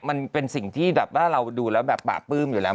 มันเป็นสิ่งที่แบบว่าเราดูแล้วแบบป่าปลื้มอยู่แล้ว